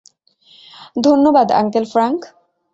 ধন্যবাদ, uncle Frank.